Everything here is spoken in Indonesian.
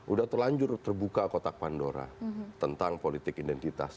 udah terlanjur terbuka kotak pandora tentang politik identitas